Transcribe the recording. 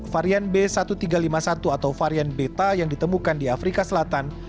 varian b satu tiga lima satu atau varian beta yang ditemukan di afrika selatan